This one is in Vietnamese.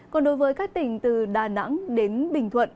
còn đối với các tỉnh từ đà nẵng đến bình thuận